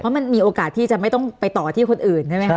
มันมีโอกาสที่จะไม่ต้องไปต่อที่คนอื่นใช่ไหมคะ